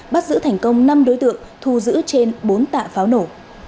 bắt giữ thành công năm đối tượng thu giữ trên bốn tạ pháo nổ